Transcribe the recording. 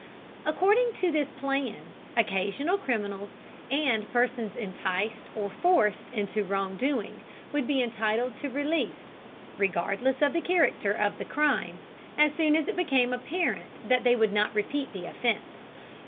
According to this plan, occasional criminals, and persons enticed or forced into wrong doing, would be entitled to release (regardless of the character of the crime) as soon as it became apparent that they would not repeat the offense.